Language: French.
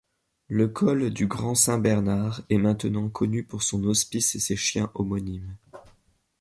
Le col du Grand-Saint-Bernard est maintenant connu pour son hospice et ses chiens homonymes.